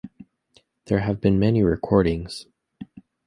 There have been many recordings.